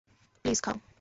Please, খাও।